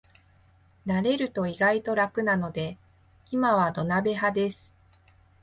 慣れると意外と楽なので今は土鍋派です